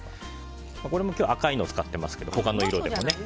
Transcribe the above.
これも今日は赤いのを使っていますが他の色でも。